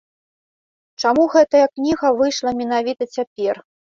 Чаму гэтая кніга выйшла менавіта цяпер?